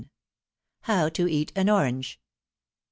HOW TO EAT AN ORANGE.